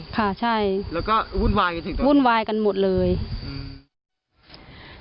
ค่ะใช่แล้วก็วุ่นวายกันถึงวุ่นวายกันหมดเลยอืม